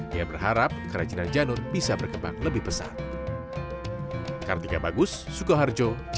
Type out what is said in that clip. dia berharap kerajinan canur bisa berkembang lebih besar